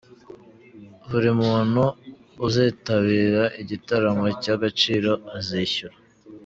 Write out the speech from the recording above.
Buri muntu uzitabira igitaramo cy’Agaciro azishyura